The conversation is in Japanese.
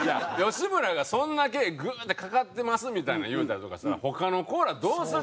吉村がそんだけグーッてかかってますみたいなん言うたりとかしたら他の子らどうするん？